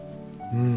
うん。